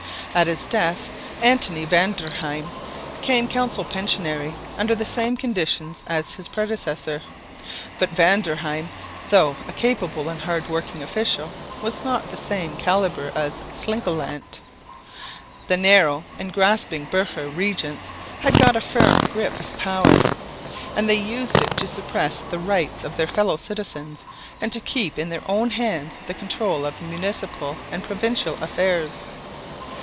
At his death Antony van der Heim became council pensionary under the same conditions as his predecessor. But Van der Heim, though a capable and hard working official, was not of the same calibre as Slingelandt. The narrow and grasping burgher regents had got a firm grip of power, and they used it to suppress the rights of their fellow citizens and to keep in their own hands the control of municipal and provincial affairs.